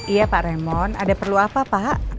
iya pak remon ada perlu apa pak